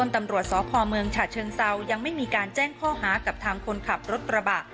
ตำรวจสพเมืองฉะเชิงเซายังไม่มีการแจ้งข้อหากับทางคนขับรถกระบะ